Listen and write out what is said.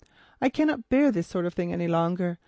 "I cannot bear this sort of thing any longer.